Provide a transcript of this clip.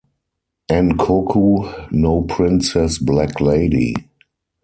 Ankoku no Princess Black Lady.